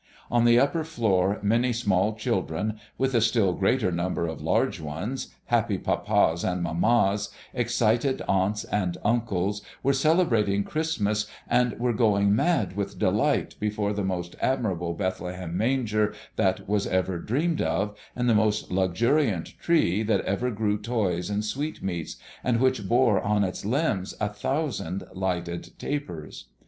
On the upper floor many small children, with a still greater number of large ones, happy papas and mammas, excited aunts and uncles, were celebrating Christmas and were going mad with delight before the most admirable Bethlehem manger that was ever dreamed of and the most luxuriant tree that ever grew toys and sweetmeats, and which bore on its limbs a thousand lighted tapers.